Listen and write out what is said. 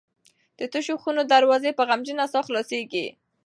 د تشو خونو دروازې په غمجنه ساه خلاصیږي.